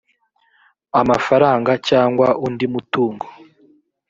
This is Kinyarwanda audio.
amafaranga cyangwa undi mutungo